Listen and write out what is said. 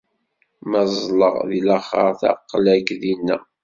Ma ẓẓleɣ di laxert, aql-ak dinna.